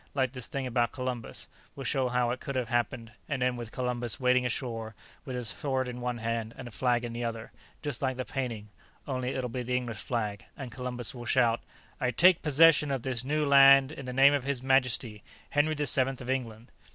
Like this thing about Columbus; we'll show how it could have happened, and end with Columbus wading ashore with his sword in one hand and a flag in the other, just like the painting, only it'll be the English flag, and Columbus will shout: 'I take possession of this new land in the name of His Majesty, Henry the Seventh of England!'"